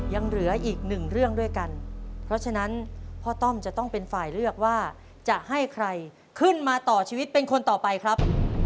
ยังเหลืออีกหนึ่งเรื่องด้วยกันเพราะฉะนั้นพ่อต้อมจะต้องเป็นฝ่ายเลือกว่าจะให้ใครขึ้นมาต่อชีวิตเป็นคนต่อไปครับ